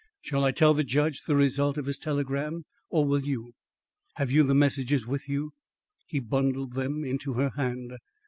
"Shall I tell the judge the result of his telegram, or will you?" "Have you the messages with you?" He bundled them into her hand.